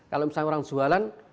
kalau misalnya orang jualan